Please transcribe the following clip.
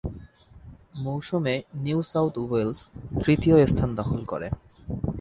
মৌসুমে New South Wales তৃতীয় স্থান দখল করে।